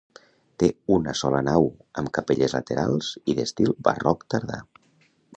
Té una sola nau, amb capelles laterals i d'estil barroc tardà.